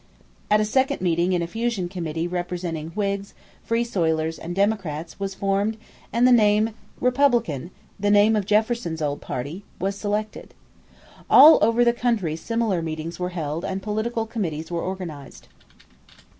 At a second meeting a fusion committee representing Whigs, Free Soilers, and Democrats was formed and the name Republican the name of Jefferson's old party was selected. All over the country similar meetings were held and political committees were organized.